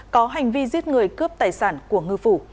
có hành vi giết người cướp tài sản của ngư phủ